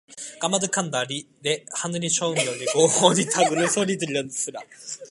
까마득한 날에 하늘이 처음 열리고 어디 닭 우는 소리 들렸으랴.